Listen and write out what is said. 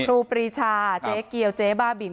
ครูปรีชาเจ๊เกียวเจ๊บ้าบิน